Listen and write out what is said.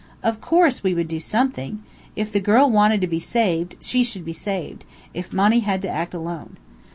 Of course, we would do something! If the girl wanted to be saved, she should be saved, if Monny had to act alone.